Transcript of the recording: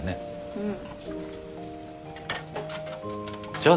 うん。